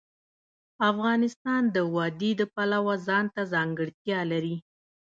افغانستان د وادي د پلوه ځانته ځانګړتیا لري.